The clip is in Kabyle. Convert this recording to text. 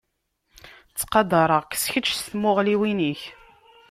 Ttqadareɣ-k s kečč s tmuɣliwin-ik.